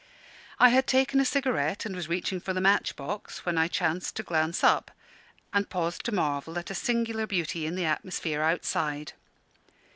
I had taken a cigarette and was reaching for the match box when I chanced to look up, and paused to marvel at a singular beauty in the atmosphere outside.